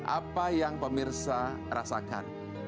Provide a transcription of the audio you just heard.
apa yang pemirsa rasakan